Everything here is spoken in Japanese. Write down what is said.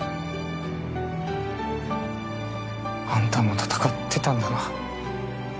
あんたも戦ってたんだな。